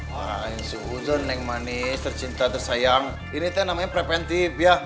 wah seuzon neng manis tercinta tersayang ini t namanya preventif ya